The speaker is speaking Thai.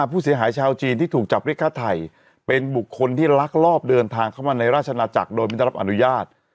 ผู้เสียหายชาวจีนที่ถูกจับเรียกฆ่าไทยเป็นบุคคลที่ลักลอบเดินทางเข้ามาในราชนาจักรโดยไม่ได้รับอนุญาต